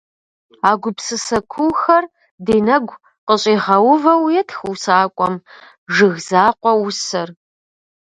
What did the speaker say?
А гупсысэ куухэр ди нэгу къыщӀигъэувэу етх усакӀуэм, «Жыг закъуэ» усэр.